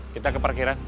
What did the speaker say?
kita ke parkiran